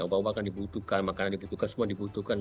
banyak obat obatan dibutuhkan makanan dibutuhkan semua dibutuhkan